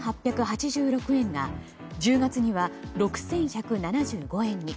５８８６円が１０月には６１７５円に。